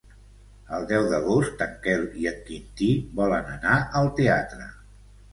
El deu d'agost en Quel i en Quintí volen anar al teatre.